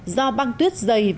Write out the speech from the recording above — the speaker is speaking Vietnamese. do băng tuyết dày dài